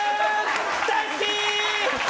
大好き！